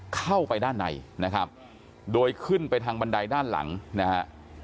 เข้าไปด้านในนะครับโดยขึ้นไปทางบันไดด้านหลังนะฮะ